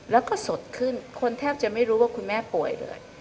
แล้วก็สดขึ้นคนแทบจะไม่รู้ว่าคุณแม่ป่วยเลย